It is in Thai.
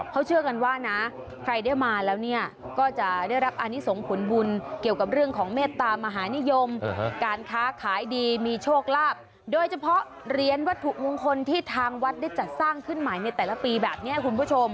เขาเชื่อกันว่านะใครได้มาแล้วเนี่ยก็จะได้รับอนิสงผลบุญเกี่ยวกับเรื่องของเมตตามหานิยมการค้าขายดีมีโชคลาภโดยเฉพาะเหรียญวัตถุมงคลที่ทางวัดได้จัดสร้างขึ้นใหม่ในแต่ละปีแบบนี้คุณผู้ชม